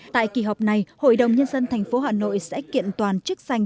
tại kỳ họp này hội đồng nhân dân thành phố hà nội sẽ kiện toàn chức danh